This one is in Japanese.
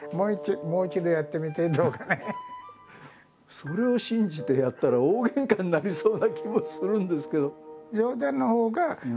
それを信じてやったら大げんかになりそうな気もするんですけど。